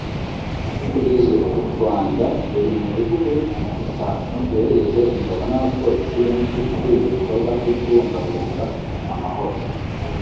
Kugeza ubu Rwanda ruri mu bihugu bitanu byohereza ingabo n’abapolisi benshi muri ibi bikorwa byo kubungabunga amahoro